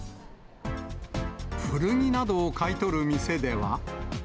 古着などを買い取る店では。